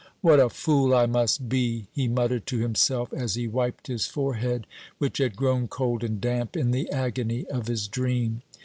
"What a fool I must be!" he muttered to himself, as he wiped his forehead, which had grown cold and damp in the agony of his dream.